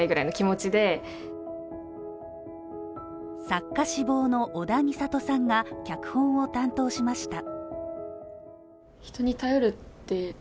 作家志望の小田実里さんが脚本を担当しました。